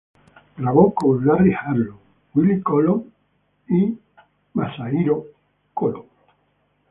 Grabó con Larry Harlow, Willie Colón y la Fania All-Stars.